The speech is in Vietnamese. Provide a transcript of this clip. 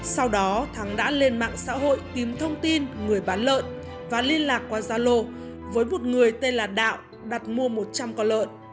sau đó thắng đã lên mạng xã hội tìm thông tin người bán lợn và liên lạc qua gia lô với một người tên là đạo đặt mua một trăm linh con lợn